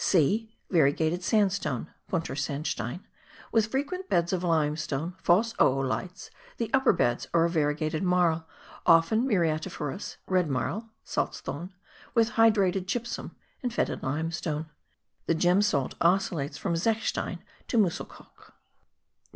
(c) Variegated sandstone (bunter sandstein) with frequent beds of limestone; false oolites; the upper beds are of variegated marl, often muriatiferous (red marl, salzthon) with hydrated gypsum and fetid limestone. The gem salt oscillates from zechstein to muschelkalk.